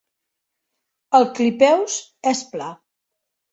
El clipeus és pla.